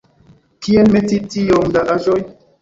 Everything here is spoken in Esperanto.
Kien meti tiom da aĵoj?